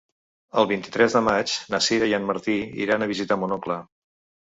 El vint-i-tres de maig na Sira i en Martí iran a visitar mon oncle.